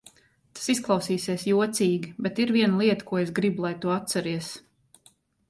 Tas izklausīsies jocīgi, bet ir viena lieta, ko es gribu, lai tu atceries.